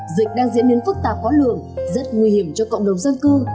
dịch đang diễn biến phức tạp khó lường rất nguy hiểm cho cộng đồng dân cư